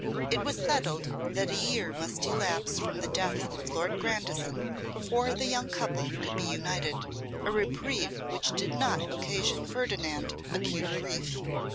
IT WAS settled that a year must elapse from the death of Lord Grandison before the young couple could be united: a reprieve which did not occasion Ferdinand acute grief.